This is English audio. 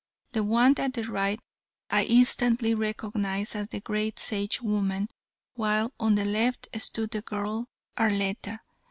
The one at the right I instantly recognized as the great Sagewoman, while on the left stood the girl Arletta.